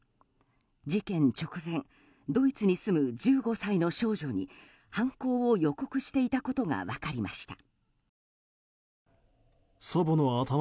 事件直前ドイツに住む１５歳の少女に犯行を予告していたことが分かりました。